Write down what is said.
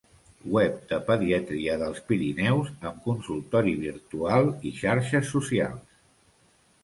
Web de pediatria dels Pirineus, amb consultori virtual i xarxes socials.